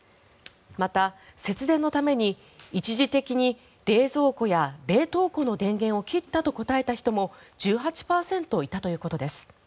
また、節電のために一時的に冷蔵庫や冷凍庫の電源を切ったと答えた人も１８％いたということです。